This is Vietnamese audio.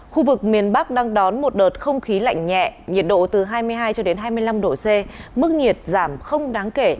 khu vực miền bắc đang đón một đợt không khí lạnh nhẹ nhiệt độ từ hai mươi hai cho đến hai mươi năm độ c mức nhiệt giảm không đáng kể